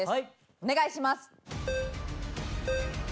お願いします。